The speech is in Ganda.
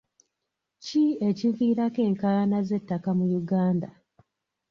Ki ekiviirako enkaayana z'ettaka mu Uganda?